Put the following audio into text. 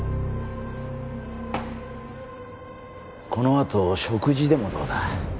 このあと食事でもどうだ？